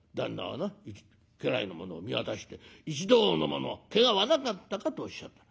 はな家来の者を見渡して『一同の者けがはなかったか』とおっしゃった。